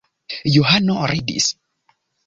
Johano ridis.